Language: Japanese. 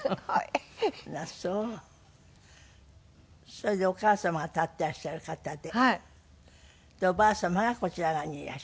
それでお母様が立ってらっしゃる方でおばあ様がこちら側にいらっしゃる。